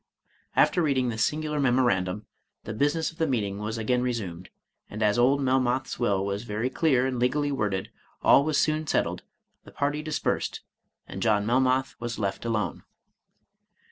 After reading this singular memorandum, the business of the meeting was again resumed; and as old Melmoth's. 167 Irish Mystery Stories will was very clear and legally worded, all was soon settled, the party dispersed, and John Melmoth was left alone.